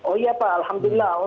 oh iya pak alhamdulillah